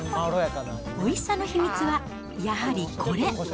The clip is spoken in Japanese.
おいしさの秘密はやはりこれ。